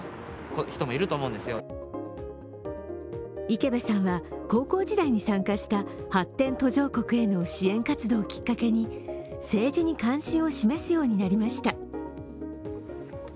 池邊さんは、高校時代に参加した発展途上国への支援活動をきっかけに政治に関心を示すようになりました。